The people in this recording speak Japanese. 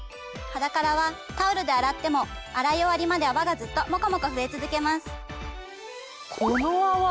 ｈａｄａｋａｒａはタオルで洗っても洗い終わりまで泡がずっともこもこ増え続けます。